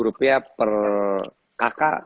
rupiah per kk